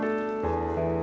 gak ada apa apa